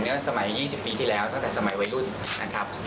ในสมัย๒๐ปีที่แล้วตั้งแต่สมัยวัยรุ่น